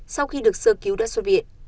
sau khi được sơ cứu đất xuân viện